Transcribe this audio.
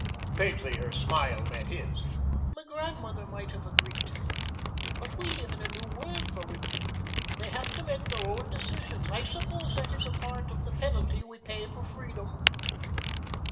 Faintly her smile met his. "My grandmother might have agreed to that. But we live in a new world for women. They have to make their own decisions. I suppose that is a part of the penalty we pay for freedom."